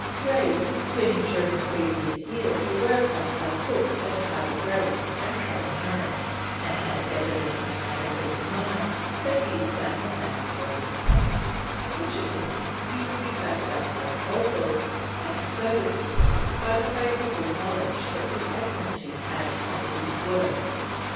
Graves had seen during the previous year the work done by Cook at Harbour Grace and Carbonera, and had evidently made up his mind that he had found the man for his purpose, in which opinion he would be backed up by Colville and further supported by the favourable knowledge that the Admiralty had of his work.